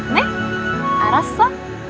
nih aku rasa